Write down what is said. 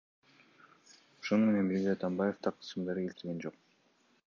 Ошону менен бирге Атамбаев так ысымдарды келтирген жок.